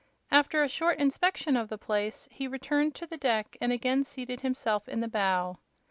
After a short inspection of the place he returned to the deck and again seated himself in the bow.